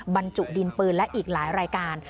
บรรจุดินปืนและอีกหลายรายการ